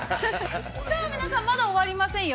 ◆さあ皆さん、まだ終わりませんよ。